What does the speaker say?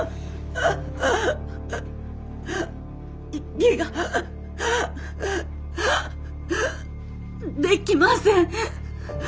息ができません！